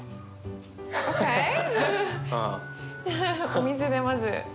お水でまず。